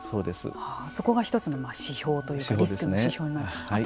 そこが１つの指標というかリスクの指標になると。